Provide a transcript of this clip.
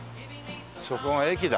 そこが駅だ。